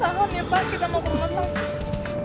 tahan ya pak kita mau ke rumah sakit